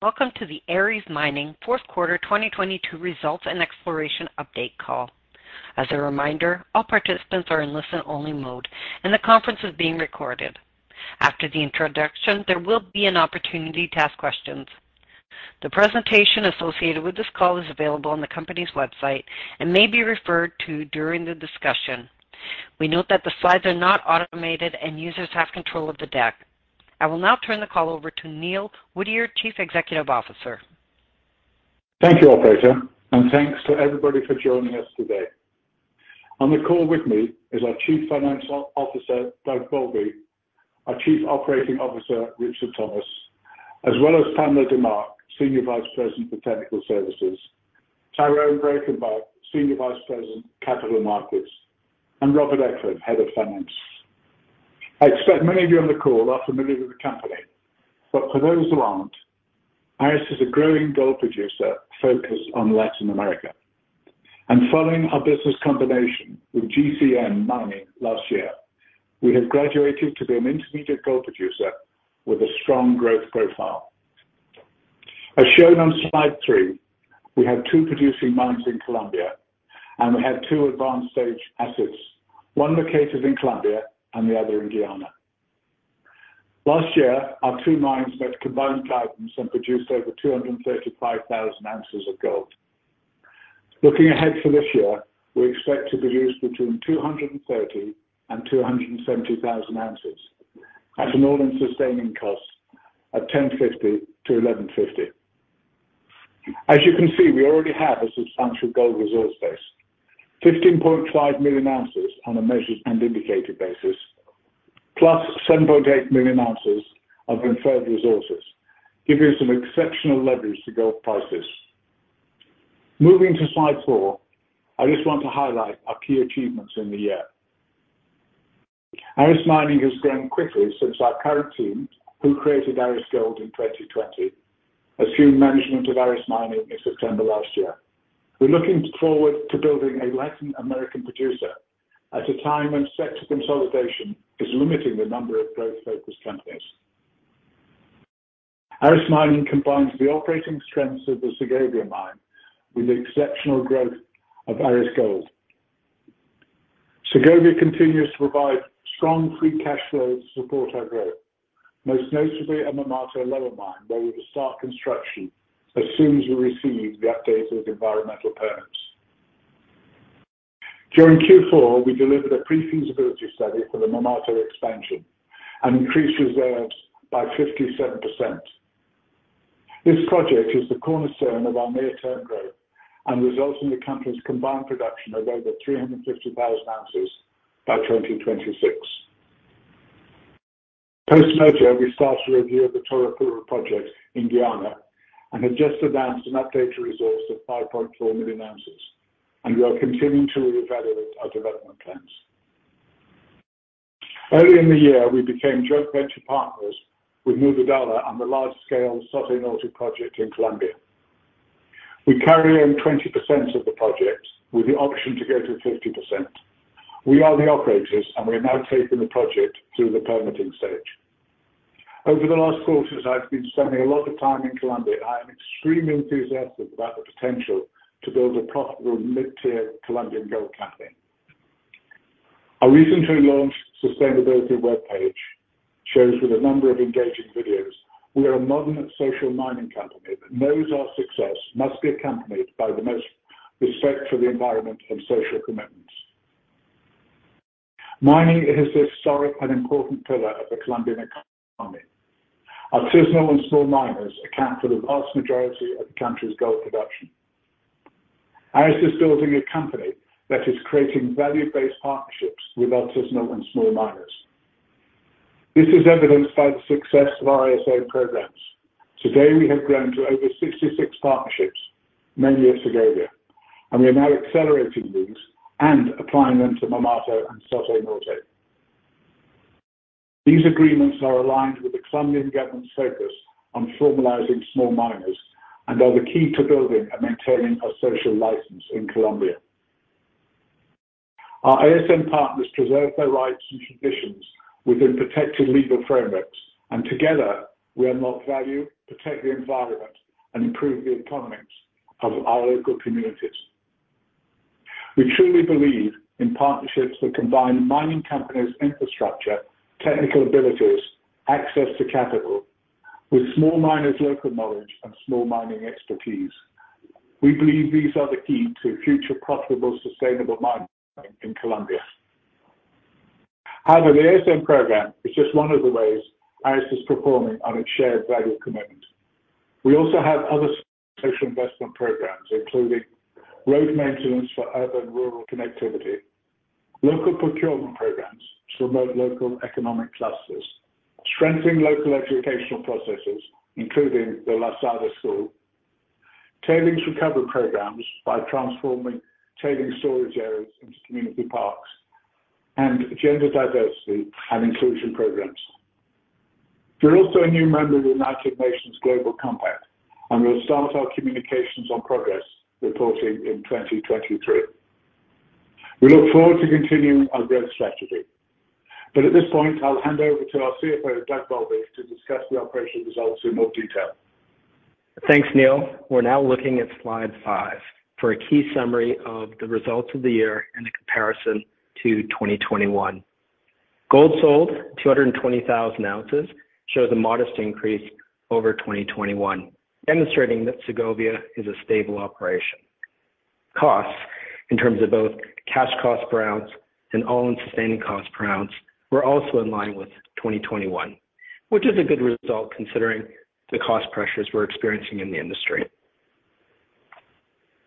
Welcome to the Aris Mining 4th quarter 2022 results and exploration update call. As a reminder, all participants are in listen-only mode, and the conference is being recorded. After the introduction, there will be an opportunity to ask questions. The presentation associated with this call is available on the company's website and may be referred to during the discussion. We note that the slides are not automated and users have control of the deck. I will now turn the call over to Neil Woodyer, Chief Executive Officer. Thank you, operator, thanks to everybody for joining us today. On the call with me is our Chief Financial Officer, Doug Bowlby, our Chief Operating Officer, Richard Thomas, as well as Pamela De Mark, Senior Vice President for Technical Services, Tyron Breytenbach, Senior Vice President, Capital Markets, and Robert Eckford, Head of Finance. I expect many of you on the call are familiar with the company, for those who aren't, Aris is a growing gold producer focused on Latin America. Following our business combination with GCM Mining last year, we have graduated to be an intermediate gold producer with a strong growth profile. As shown on slide three, we have two producing mines in Colombia, we have two advanced stage assets, one located in Colombia and the other in Guyana. Last year, our two mines met combined guidance and produced over 235,000 ounces of gold. Looking ahead for this year, we expect to produce between 230,000-270,000 ounces at an all-in sustaining cost of $1,050-$1,150. As you can see, we already have a substantial gold resource base, 15.5 million ounces on a measured and indicated basis, plus 7.8 million ounces of inferred resources, giving us some exceptional leverage to gold prices. Moving to slide four, I just want to highlight our key achievements in the year. Aris Mining has grown quickly since our current team, who created Aris Gold in 2020, assumed management of Aris Mining in September last year. We're looking forward to building a Latin American producer at a time when sector consolidation is limiting the number of growth-focused companies. Aris Mining combines the operating strengths of the Segovia mine with the exceptional growth of Aris Gold. Segovia continues to provide strong free cash flow to support our growth, most notably at Marmato lower mine, where we will start construction as soon as we receive the updated environmental permits. During Q4, we delivered a pre-feasibility study for the Marmato expansion and increased reserves by 57%. This project is the cornerstone of our near-term growth and results in the country's combined production of over 350,000 ounces by 2026. Post-merger, we started a review of the Toroparu project in Guyana and have just announced an updated resource of 5.4 million ounces, and we are continuing to reevaluate our development plans. Early in the year, we became joint venture partners with Newmont on the large-scale Soto Norte project in Colombia. We carry in 20% of the project with the option to go to 50%. We are the operators, and we are now taking the project through the permitting stage. Over the last quarter, as I've been spending a lot of time in Colombia, I am extremely enthusiastic about the potential to build a profitable mid-tier Colombian gold company. Our recently launched sustainability webpage shows with a number of engaging videos we are a modern social mining company that knows our success must be accompanied by the most respect for the environment and social commitments. Mining is a historic and important pillar of the Colombian economy. Artisanal and small miners account for the vast majority of the country's gold production. Aris is building a company that is creating value-based partnerships with artisanal and small miners. This is evidenced by the success of our ASM programs. Today, we have grown to over 66 partnerships, mainly at Segovia, we are now accelerating these and applying them to Marmato and Soto Norte. These agreements are aligned with the Colombian government's focus on formalizing small miners and are the key to building and maintaining a social license in Colombia. Our ASM partners preserve their rights and traditions within protected legal frameworks, together we unlock value, protect the environment, and improve the economies of our local communities. We truly believe in partnerships that combine mining companies' infrastructure, technical abilities, access to capital with small miners' local knowledge and small mining expertise. We believe these are the key to future profitable, sustainable mining in Colombia. However, the ASM program is just one of the ways Aris is performing on its shared value commitment. We also have other social investment programs, including road maintenance for urban rural connectivity, local procurement programs to promote local economic clusters, strengthening local educational processes, including the La Salada school, tailings recovery programs by transforming tailings storage areas into community parks, and gender diversity and inclusion programs. We're also a new member of the United Nations Global Compact, we'll start our communications on progress reporting in 2023. We look forward to continuing our growth strategy. At this point, I'll hand over to our CFO, Doug Bowlby, to discuss the operational results in more detail. Thanks, Neil. We're now looking at slide five for a key summary of the results of the year and the comparison to 2021. Gold sold 220,000 ounces, shows a modest increase over 2021, demonstrating that Segovia is a stable operation. Costs in terms of both cash cost per ounce and all-in sustaining cost per ounce were also in line with 2021, which is a good result considering the cost pressures we're experiencing in the industry.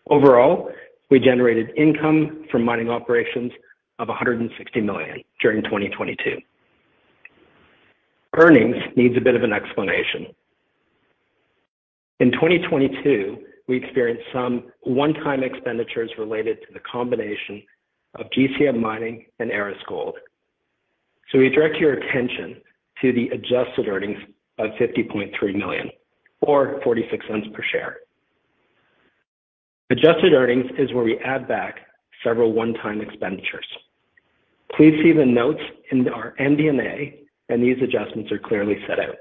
Overall, we generated income from mining operations of $160 million during 2022. Earnings needs a bit of an explanation. In 2022, we experienced some one-time expenditures related to the combination of GCM Mining and Aris Gold. We direct your attention to the adjusted earnings of $50.3 million or $0.46 per share. Adjusted earnings is where we add back several one-time expenditures. Please see the notes in our MD&A, and these adjustments are clearly set out.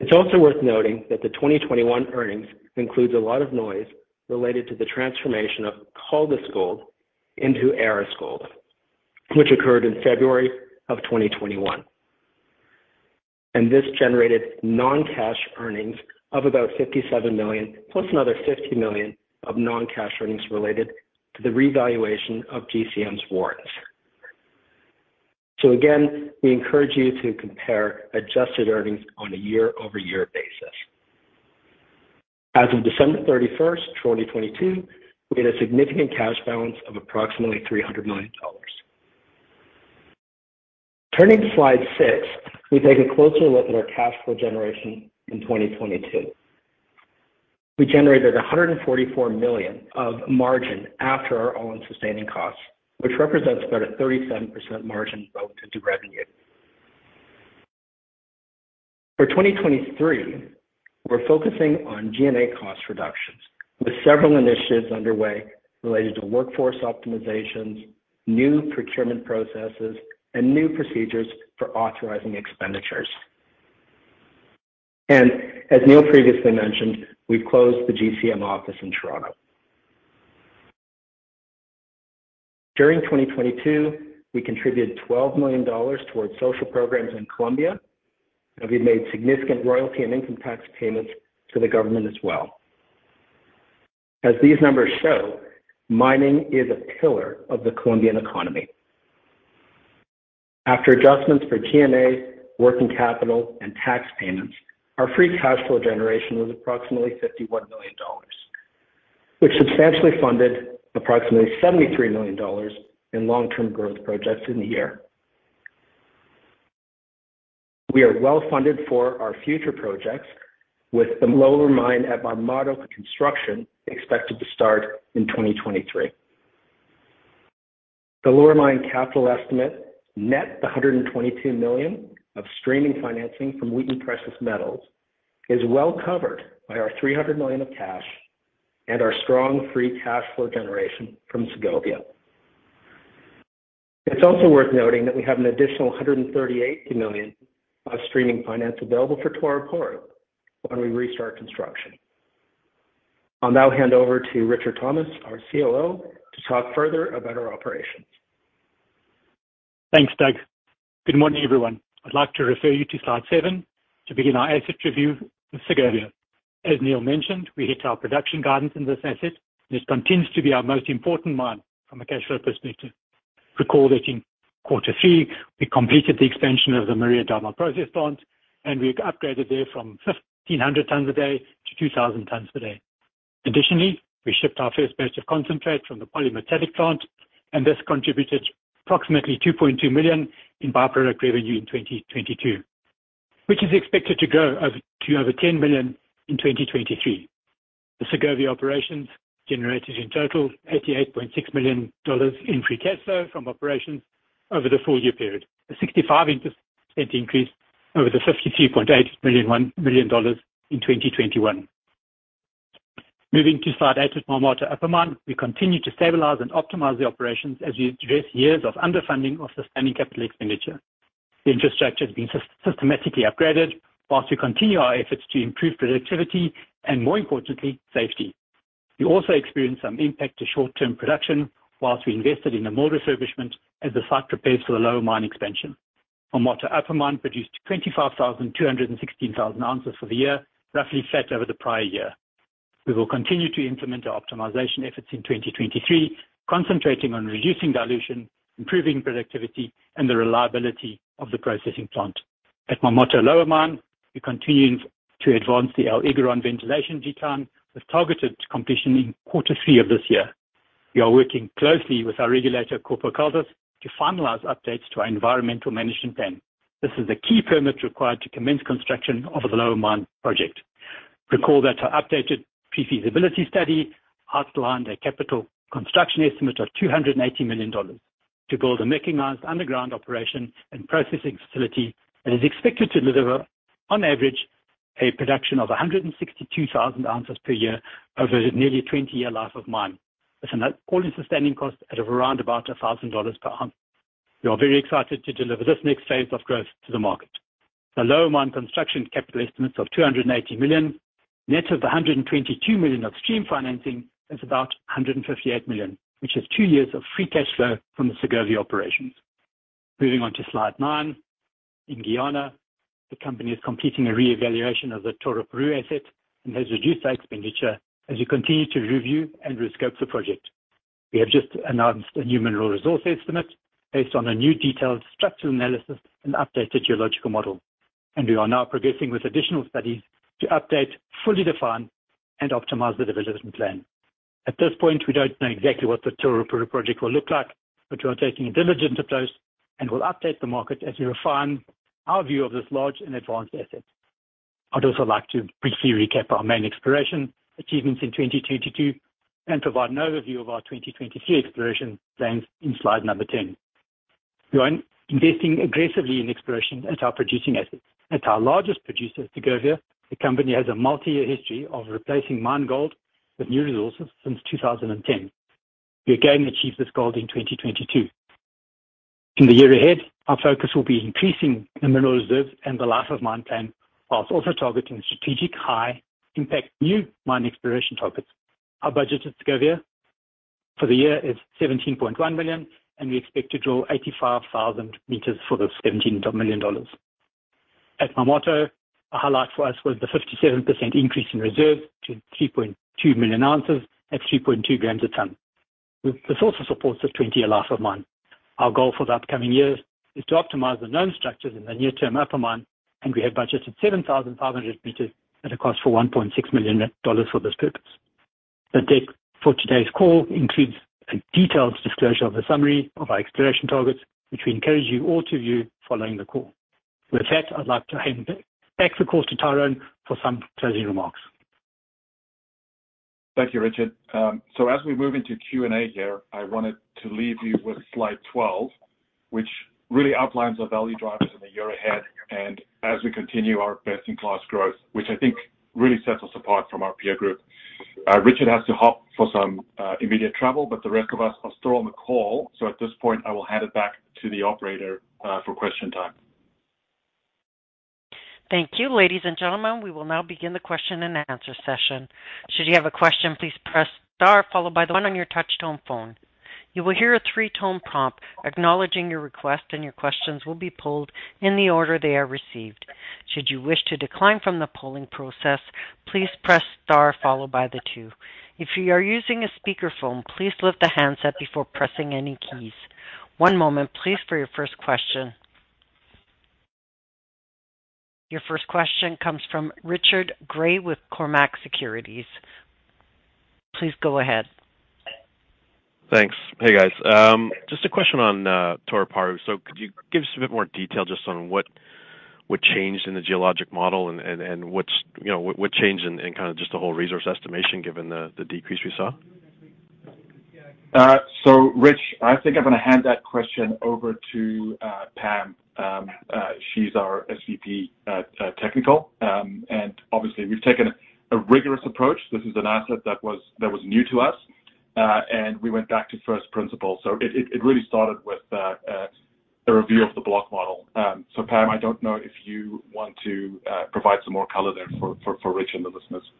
It's also worth noting that the 2021 earnings includes a lot of noise related to the transformation of Caldas Gold into Aris Gold, which occurred in February of 2021. This generated non-cash earnings of about $57 million, plus another $50 million of non-cash earnings related to the revaluation of GCM's warrants. Again, we encourage you to compare adjusted earnings on a year-over-year basis. As of December 31st, 2022, we had a significant cash balance of approximately $300 million. Turning to slide six, we take a closer look at our cash flow generation in 2022. We generated $144 million of margin after our all-in sustaining costs, which represents about a 37% margin to revenue. For 2023, we're focusing on G&A cost reductions, with several initiatives underway related to workforce optimizations, new procurement processes, and new procedures for authorizing expenditures. As Neil previously mentioned, we've closed the GCM office in Toronto. During 2022, we contributed $12 million towards social programs in Colombia. We've made significant royalty and income tax payments to the government as well. As these numbers show, mining is a pillar of the Colombian economy. After adjustments for G&A, working capital, and tax payments, our free cash flow generation was approximately $51 million, which substantially funded approximately $73 million in long-term growth projects in the year. We are well funded for our future projects, with the lower mine at Marmato construction expected to start in 2023. The lower mine capital estimate, net the $122 million of streaming financing from Wheaton Precious Metals, is well covered by our $300 million of cash and our strong free cash flow generation from Segovia. It's also worth noting that we have an additional $138 million of streaming finance available for Toroparu when we restart construction. I'll now hand over to Richard Thomas, our COO, to talk further about our operations. Thanks, Doug. Good morning, everyone. I'd like to refer you to slide seven to begin our asset review with Segovia. As Neil mentioned, we hit our production guidance in this asset, and this continues to be our most important mine from a cash flow perspective. Recall that in Q3, we completed the expansion of the Maria Dama process plant, and we upgraded there from 1,500 tonnes a day to 2,000 tonnes a day. Additionally, we shipped our first batch of concentrate from the polymetallic plant, and this contributed approximately $2.2 million in by-product revenue in 2022, which is expected to grow over to over $10 million in 2023. The Segovia operations generated in total $88.6 million in free cash flow from operations over the full year period. A 65% increase over the $53.8 million in 2021. Moving to slide eight with Marmato Upper Mine, we continue to stabilize and optimize the operations as we address years of underfunding of sustaining capital expenditure. The infrastructure has been systematically upgraded whilst we continue our efforts to improve productivity and, more importantly, safety. We also experienced some impact to short-term production whilst we invested in a mill refurbishment as the site prepares for the lower mine expansion. Marmato Upper Mine produced 25,216 thousand ounces for the year, roughly flat over the prior year. We will continue to implement our optimization efforts in 2023, concentrating on reducing dilution, improving productivity, and the reliability of the processing plant. At Marmato Lower Mine, we're continuing to advance the El Higuerón ventilation decline, with targeted completion in Q3 of this year. We are working closely with our regulator, Corpocaldas, to finalize updates to our environmental management plan. This is a key permit required to commence construction of the Lower Mine project. Recall that our updated pre-feasibility study outlined a capital construction estimate of $280 million to build a mechanized underground operation and processing facility that is expected to deliver on average a production of 162,000 ounces per year over a nearly 20-year life of mine. It's an all-in sustaining cost at around about $1,000 per ounce. We are very excited to deliver this next phase of growth to the market. The Lower Mine construction capital estimates of $280 million, net of the $122 million of stream financing is about $158 million, which is two years of free cash flow from the Segovia operations. Moving on to slide nine. In Guyana, the company is completing a reevaluation of the Toroparu asset and has reduced our expenditure as we continue to review and rescope the project. We have just announced a new mineral resource estimate based on a new detailed structural analysis and updated geological model. We are now progressing with additional studies to update, fully define, and optimize the development plan. At this point, we don't know exactly what the Toroparu project will look like, but we are taking a diligent approach and will update the market as we refine our view of this large and advanced asset. I'd also like to briefly recap our main exploration achievements in 2022 and provide an overview of our 2022 exploration plans in slide 10. We are investing aggressively in exploration at our producing assets. At our largest producer at Segovia, the company has a multi-year history of replacing mined gold with new resources since 2010. We again achieved this goal in 2022. In the year ahead, our focus will be increasing the mineral reserves and the life of mine plan, whilst also targeting strategic high impact new mine exploration targets. Our budget at Segovia for the year is $17.1 million, and we expect to draw 85,000 meters for those $17 million. At Marmato, a highlight for us was the 57% increase in reserves to 3.2 million ounces at 3.2 grams a ton. This also supports the 20-year life of mine. Our goal for the upcoming years is to optimize the known structures in the near term upper mine. We have budgeted 7,500 meters at a cost for $1.6 million for this purpose. The deck for today's call includes a detailed disclosure of the summary of our exploration targets, which we encourage you all to view following the call. With that, I'd like to hand back the call to Tyrone for some closing remarks. Thank you, Richard. As we move into Q&A here, I wanted to leave you with slide 12, which really outlines our value drivers in the year ahead and as we continue our best-in-class growth, which I think really sets us apart from our peer group. Richard has to hop for some immediate travel, but the rest of us are still on the call. At this point, I will hand it back to the operator for question time. Thank you. Ladies and gentlemen, we will now begin the question-and-answer session. Should you have a question, please press star followed by the one on your touch tone phone. You will hear a three-tone prompt acknowledging your request, and your questions will be polled in the order they are received. Should you wish to decline from the polling process, please press star followed by the two. If you are using a speakerphone, please lift the handset before pressing any keys. One moment please for your first question. Your first question comes from Richard Gray with Cormark Securities. Please go ahead. Thanks. Hey, guys. Just a question on Toroparu. Could you give us a bit more detail just on what changed in the geologic model and what's, you know, what changed in kind of just the whole resource estimation given the decrease we saw? Rich, I think I'm gonna hand that question over to Pam. She's our SVP, technical. Obviously we've taken a rigorous approach. This is an asset that was new to us, and we went back to first principle. It really started with a review of the block model. Pam, I don't know if you want to provide some more color there for Rich and the listeners.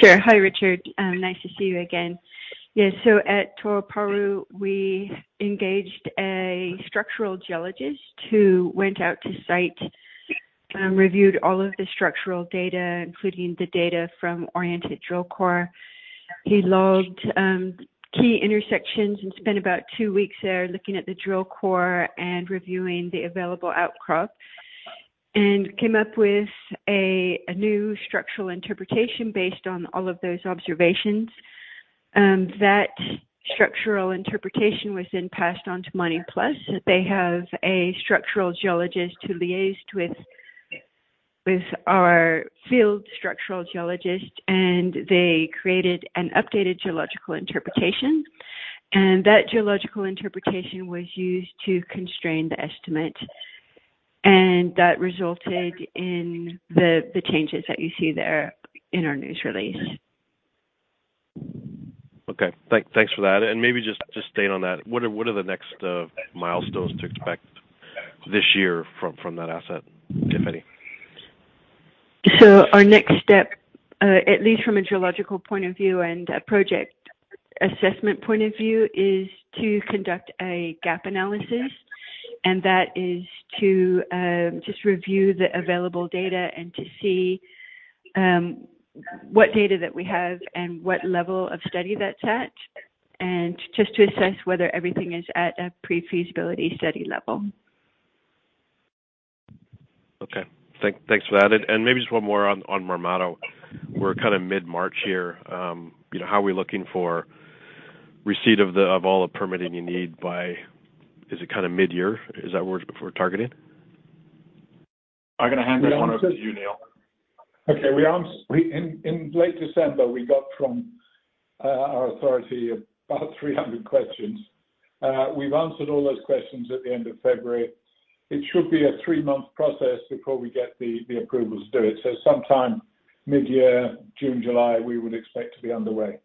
Sure. Hi, Richard. Nice to see you again. At Toroparu, we engaged a structural geologist who went out to site, reviewed all of the structural data, including the data from oriented drill core. He logged key intersections and spent about two weeks there looking at the drill core and reviewing the available outcrop, and came up with a new structural interpretation based on all of those observations. That structural interpretation was then passed on to Mine+. They have a structural geologist who liaised with our field structural geologist, and they created an updated geological interpretation. That geological interpretation was used to constrain the estimate, and that resulted in the changes that you see there in our news release. Okay. Thanks for that. Maybe just staying on that, what are the next milestones to expect this year from that asset, if any? Our next step, at least from a geological point of view and a project assessment point of view, is to conduct a gap analysis. That is to just review the available data and to see what data that we have and what level of study that's at, and just to assess whether everything is at a pre-feasibility study level. Okay. Thanks for that. Maybe just one more on Marmato. We're kinda mid-March here. You know, how are we looking for receipt of all the permitting you need by, is it kinda mid-year? Is that what we're targeting? I'm gonna hand that one over to you, Neil. Okay, we, in late December, we got from our authority about 300 questions. We've answered all those questions at the end of February. It should be a three-month process before we get the approval to do it. Sometime mid-year, June, July, we would expect to be underway.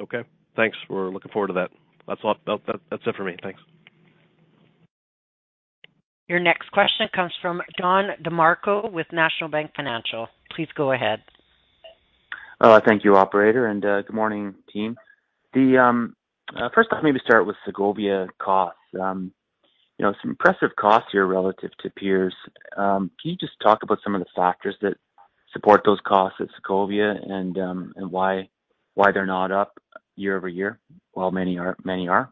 Okay, thanks. We're looking forward to that. That's all. That's it for me. Thanks. Your next question comes from Don DeMarco with National Bank Financial. Please go ahead. Thank you, operator. Good morning, team. First off, maybe start with Segovia costs. You know, some impressive costs here relative to peers. Can you just talk about some of the factors that support those costs at Segovia and why they're not up year-over-year while many are?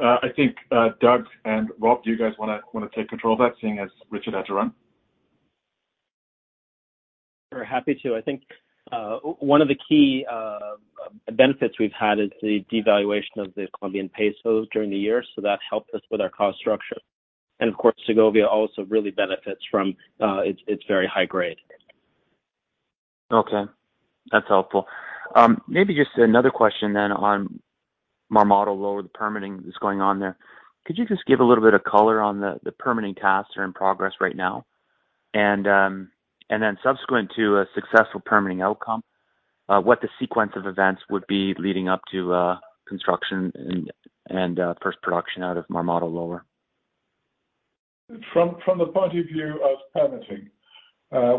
I think, Doug and Rob, do you guys wanna take control of that, seeing as Richard had to run? We're happy to. I think one of the key benefits we've had is the devaluation of the Colombian pesos during the year. That helped us with our cost structure. Of course, Segovia also really benefits from its very high grade. Okay. That's helpful. maybe just another question then on Marmato Lower, the permitting that's going on there. Could you just give a little bit of color on the permitting tasks that are in progress right now? Subsequent to a successful permitting outcome, what the sequence of events would be leading up to construction and first production out of Marmato Lower? From the point of view of permitting,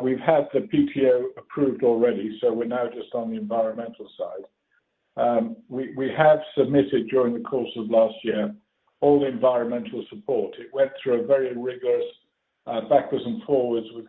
we've had the PTO approved already, so we're now just on the environmental side. We have submitted during the course of last year, all the environmental support. It went through a very rigorous backwards and forwards with.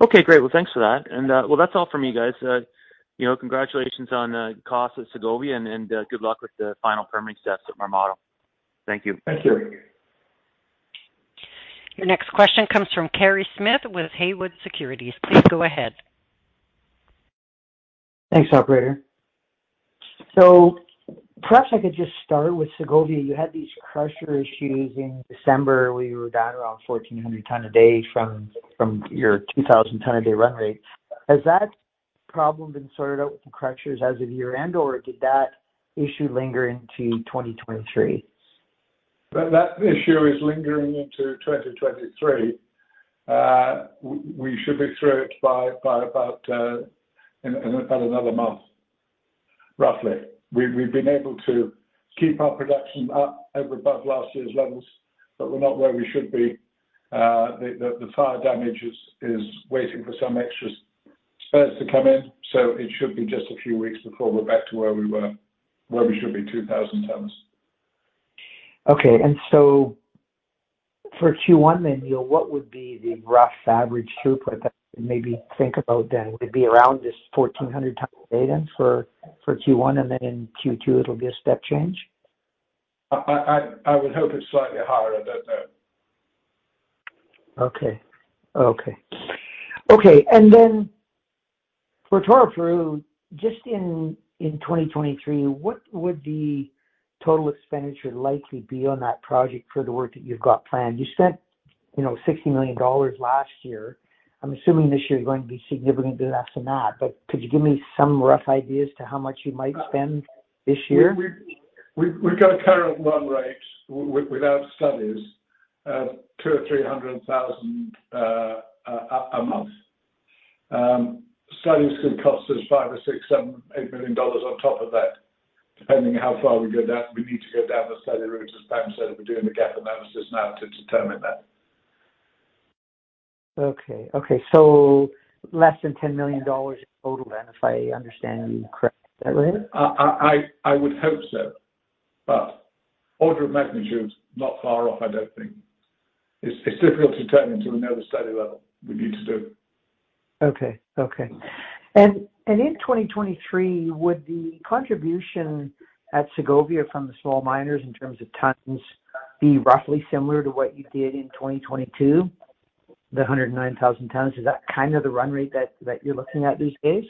Thank you. Your next question comes from Kerry Smith with Haywood Securities. Please go ahead. Perhaps I could just start with Segovia. You had these crusher issues in December, where you were down around 1,400 ton a day from your 2,000 ton a day run rate. Has that problem been sorted out with the crushers as of year-end, or did that issue linger into 2023? That issue is lingering into 2023. We should be through it by about another month. Roughly. We've been able to keep our production up and above last year's levels. We're not where we should be. The fire damage is waiting for some extra spares to come in, so it should be just a few weeks before we're back to where we were. Where we should be, 2,000 tons. Okay. For Q1 then, you know, what would be the rough average throughput that maybe think about then? Would it be around this 1,400 tons a day then for Q1, and then in Q2 it'll be a step change? I would hope it's slightly higher than that. Okay. Okay. Okay. Then for Toroparu, just in 2023, what would the total expenditure likely be on that project for the work that you've got planned? You spent, you know, $60 million last year. I'm assuming this year is going to be significantly less than that. Could you give me some rough ideas to how much you might spend this year? We've got current run rates with our studies of 200,000-300,000 a month. Studies could cost us $5 million-$8 million on top of that, depending how far we go down. We need to go down the study route as Ben said. We're doing the gap analysis now to determine that. Okay. Okay. Less than $10 million total then, if I understand you correctly. Is that right? I would hope so, but order of magnitude, not far off, I don't think. It's difficult to determine till we know the study level we need to do. Okay. Okay. In 2023, would the contribution at Segovia from the small miners in terms of tons be roughly similar to what you did in 2022, the 109,000 tons? Is that kind of the run rate that you're looking at these days?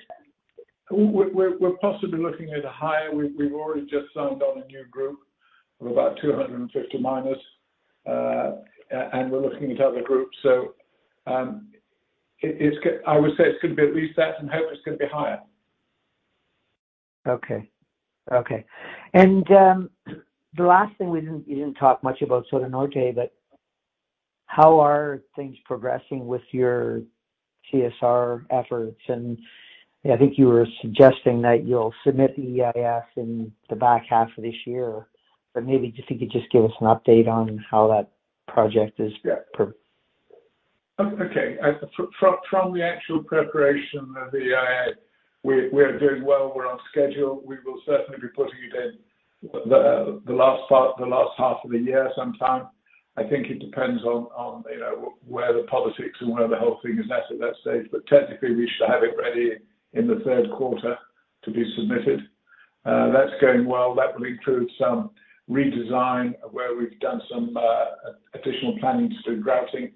We've already just signed on a new group of about 250 miners. And we're looking at other groups. I would say it's gonna be at least that and hope it's gonna be higher. Okay. Okay. The last thing we didn't talk much about Soto Norte, but how are things progressing with your TSR efforts? I think you were suggesting that you'll submit the EIS in the back half of this year. Maybe if you could just give us an update on how that project is? Yeah. Okay. From the actual preparation of the EIS, we're doing well. We're on schedule. We will certainly be putting it in the last part, the last half of the year sometime. I think it depends on, you know, where the politics and where the whole thing is at that stage. Technically, we should have it ready in the third quarter to be submitted. That's going well. That will include some redesign where we've done some additional planning to do grouting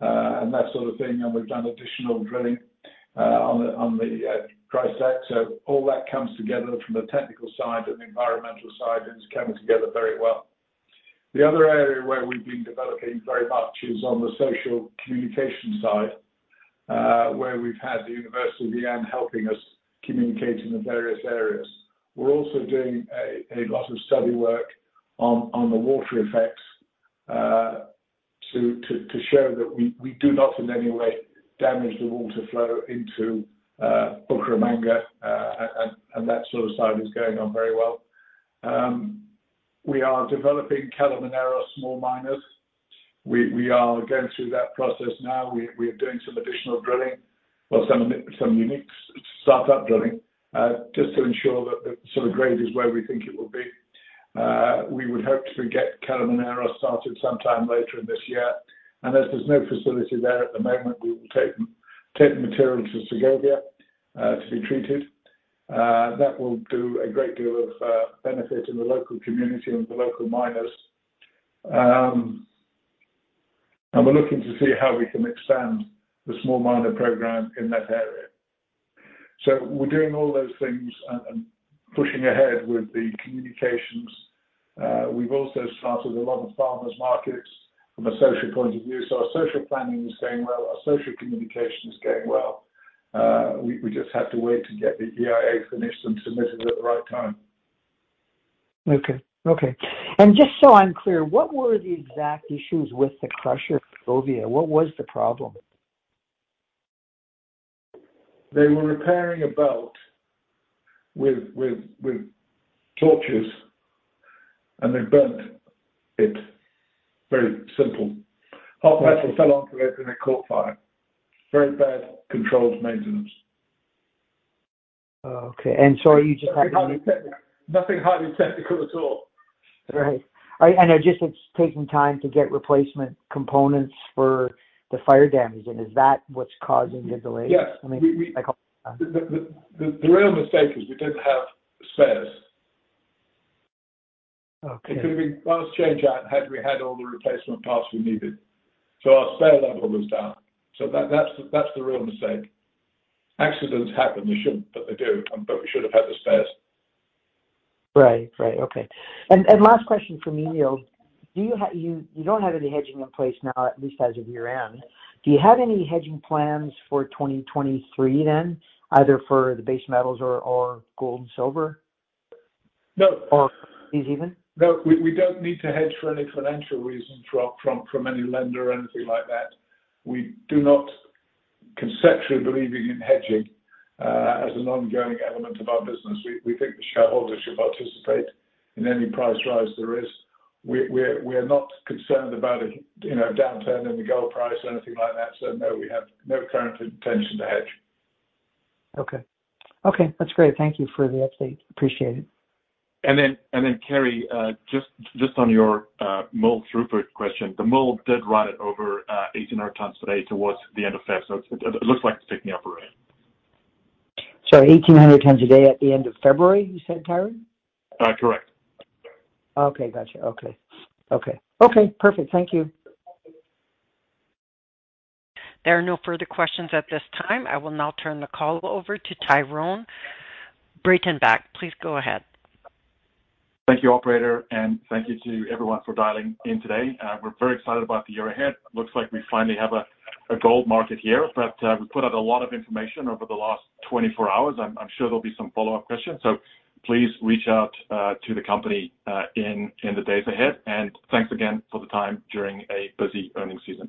and that sort of thing. We've done additional drilling on the dry stack. All that comes together from the technical side and the environmental side, and it's coming together very well. The other area where we've been developing very much is on the social communication side, where we've had the Universidad Ean helping us communicate in the various areas. We're also doing a lot of study work on the water effects to show that we do not in any way damage the water flow into Bucaramanga. That sort of side is going on very well. We are developing Calimanero small miners. We are going through that process now. We are doing some additional drilling or some unique start up drilling just to ensure that the sort of grade is where we think it will be. We would hope to get Calimanero started sometime later in this year. As there's no facility there at the moment, we will take the material to Segovia to be treated. That will do a great deal of benefit in the local community and the local miners. We're looking to see how we can expand the small miner program in that area. We're doing all those things and pushing ahead with the communications. We've also started a lot of farmers markets from a social point of view. Our social planning is going well. Our social communication is going well. We just have to wait to get the EIA finished and submitted at the right time. Okay. Okay. Just so I'm clear, what were the exact issues with the crusher at Segovia? What was the problem? They were repairing a belt with torches, and they burnt it. Very simple. Hot metal fell onto it, and it caught fire. Very bad controlled maintenance. Oh, okay. Are you just Nothing highly technical. Nothing highly technical at all. Right. It just it's taking time to get replacement components for the fire damage. Is that what's causing the delay? Yes. We. I mean. The real mistake is we didn't have spares. Okay. It could have been fast change out had we had all the replacement parts we needed. Our spare level was down. That's the real mistake. Accidents happen. They shouldn't, but they do. We should have had the spares. Right. Right. Okay. Last question from me, Neil. You don't have any hedging in place now, at least as of year-end. Do you have any hedging plans for 2023 then, either for the base metals or gold and silver? No. these even? No. We don't need to hedge for any financial reason from any lender or anything like that. We do not conceptually believe in hedging as an ongoing element of our business. We think the shareholders should participate in any price rise there is. We're not concerned about a, you know, downturn in the gold price or anything like that. No, we have no current intention to hedge. Okay. Okay. That's great. Thank you for the update. Appreciate it. Kerry, just on your mill throughput question, the mill did run at over 1,800 tons a day towards the end of Feb. It looks like it's picking up already. Sorry, 1,800 tons a day at the end of February, you said, Tyrone? Correct. Okay. Gotcha. Okay. Okay. Okay, perfect. Thank you. There are no further questions at this time. I will now turn the call over to Tyron Breytenbach. Please go ahead. Thank you, operator, and thank you to everyone for dialing in today. We're very excited about the year ahead. Looks like we finally have a gold market here. We put out a lot of information over the last 24 hours. I'm sure there'll be some follow-up questions. Please reach out to the company in the days ahead. Thanks again for the time during a busy earnings season.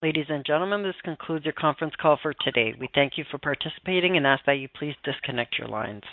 Ladies and gentlemen, this concludes your conference call for today. We thank you for participating and ask that you please disconnect your lines.